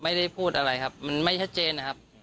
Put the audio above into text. ไม่ได้พูดอะไรครับมันไม่ชัดเจนนะครับ